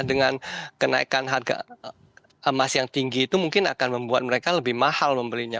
dengan kenaikan harga emas yang tinggi itu mungkin akan membuat mereka lebih mahal membelinya